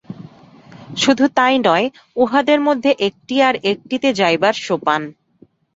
শুধু তাই নয়, উহাদের মধ্যে একটি আর একটিতে যাইবার সোপান।